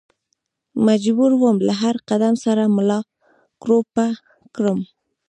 مجبور ووم له هر قدم سره ملا کړوپه کړم.